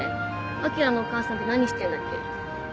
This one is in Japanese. あきらのお母さんって何してんだっけ？